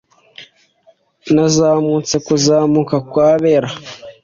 nazamutse kuzamuka kwabera